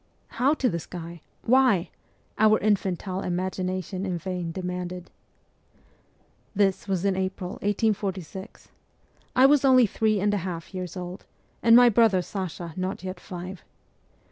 ' How to the sky ? Why ?' our infantile imagina tion in vain demanded. This was in April 1846. I was only three and a half years old, and my brother Sasha not yet five.